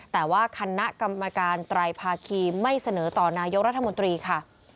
แต่ว่าคณะกรรมการไตรภาคีไม่เสนอต่อนายกรัฐมนตรีค่ะ